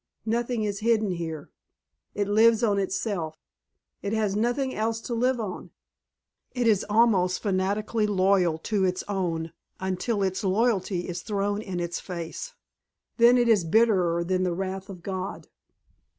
Nothing is hidden here. It lives on itself; it has nothing else to live on. It is almost fanatically loyal to its own until its loyalty is thrown in its face. Then it is bitterer than the wrath of God.